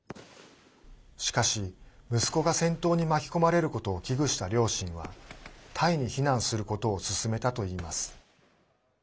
しかし、息子が戦闘に巻き込まれることを危惧した両親はタイに避難することを勧めたといいます。